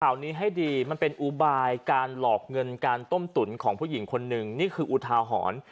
ข่าวนี้ให้ดีมันเป็นอุบายการหลอกเงินการต้มตุ๋นของผู้หญิงคนหนึ่งนี่คืออุทาหรณ์